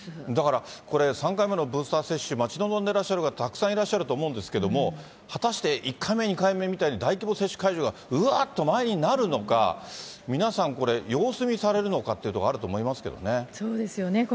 だからこれ、３回目のブースター接種、待ち望んでらっしゃる方、たくさんいらっしゃると思うんですけれども、果たして１回目、２回目みたいに大規模接種会場がうわーっと満員になるのか、皆さんこれ、様子見されるのかっていうところあると思いますけどね。